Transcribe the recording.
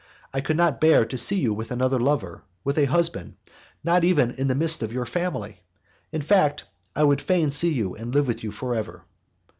I could not bear to see you with another lover, with a husband, not even in the midst of your family; in fact, I would fain see you and live with you forever.